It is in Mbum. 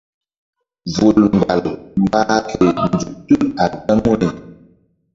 Vul mgbal mbah ke nzuk tul a gaŋu ri.